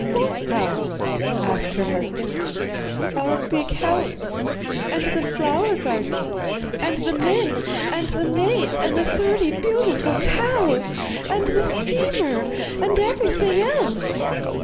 'What house?' asked her husband. 'Our big house, and the flower garden, and the men and the maids, and the thirty beautiful cows, and the steamer, and everything else?